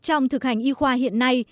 trong thực hành y khoa hiện nay